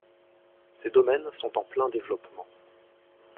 Ces domaines sont en plein développement.